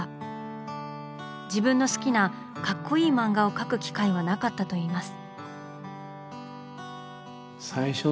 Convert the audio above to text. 自分の好きな「カッコいい漫画」を描く機会はなかったといいます。